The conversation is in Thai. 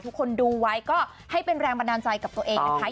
ทุกคนดูไว้ก็ให้เป็นแรงบันดาลใจกับตัวเองนะคะ